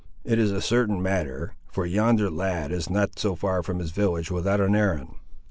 It is a certain matter, for yonder lad is not so far from his village without an errand.